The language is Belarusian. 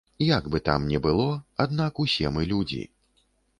Як бы там не было, аднак усе мы людзі.